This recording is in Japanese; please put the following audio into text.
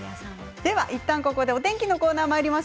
ではいったん、ここでお天気のコーナーにまいります。